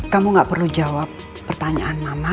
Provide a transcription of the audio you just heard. kamu gak perlu jawab pertanyaan mama